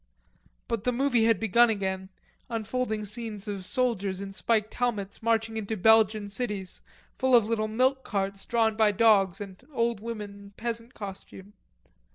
But the movie had begun again, unfolding scenes of soldiers in spiked helmets marching into Belgian cities full of little milk carts drawn by dogs and old women in peasant costume.